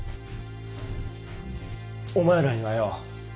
お前らにはよ